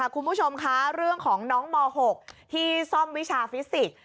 คุณผู้ชมคะเรื่องของน้องม๖ที่ซ่อมวิชาฟิสิกส์